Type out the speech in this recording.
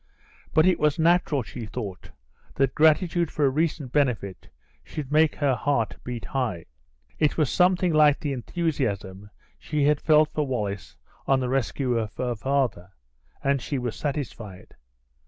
But it was natural, she thought, that gratitude for a recent benefit should make her heart beat high. It was something like the enthusiasm she had felt for Wallace on the rescue of her father, and she was satisfied.